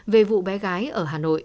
về vụ bé gái ở hà nội